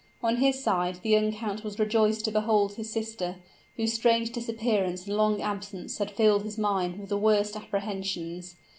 On his side, the young count was rejoiced to behold his sister, whose strange disappearance and long absence had filled his mind with the worst apprehensions.